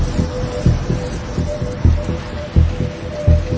สวัสดีครับ